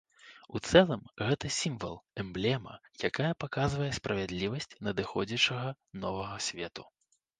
У цэлым, гэта сімвал, эмблема, якая паказвае справядлівасць надыходзячага новага свету.